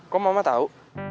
kok mama tau